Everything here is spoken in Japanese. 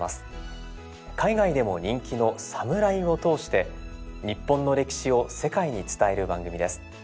海外でも人気の「サムライ」を通して日本の歴史を世界に伝える番組です。